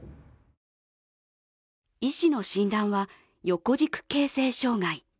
医師の診断は横軸形成障害。